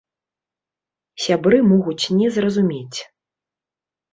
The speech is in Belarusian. Сябры могуць не зразумець.